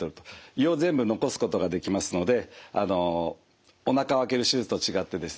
胃を全部残すことができますのであのおなかを開ける手術と違ってですね